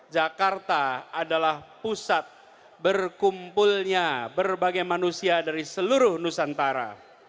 jakarta adalah pusat berkumpulnya berbagai manusia dari seluruh nusantara